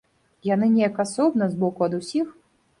Яны неяк асобна, збоку ад усіх.